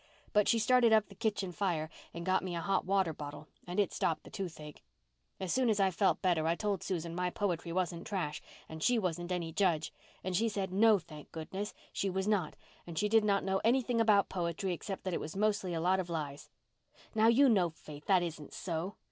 But she started up the kitchen fire and got me a hot water bottle and it stopped the toothache. As soon as I felt better I told Susan my poetry wasn't trash and she wasn't any judge. And she said no, thank goodness she was not and she did not know anything about poetry except that it was mostly a lot of lies. Now you know, Faith, that isn't so.